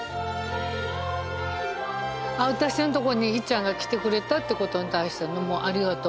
私のところにいっちゃんがきてくれたって事に対してのもう「ありがとう」。